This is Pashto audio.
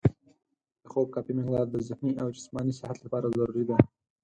د خوب کافي مقدار د ذهني او جسماني صحت لپاره ضروري دی.